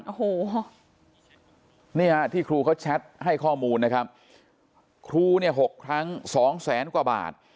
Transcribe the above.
โอ้โหนี่ฮะที่ครูเขาแชทให้ข้อมูลนะครับครูเนี่ย๖ครั้งสองแสนกว่าบาท